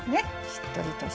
しっとりとして。